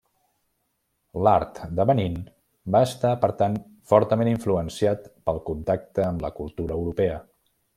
L'art de Benín va estar, per tant, fortament influenciat pel contacte amb la cultura europea.